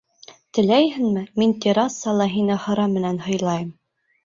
Теләйһеңме, мин Террасала һине һыра менән һыйлайым.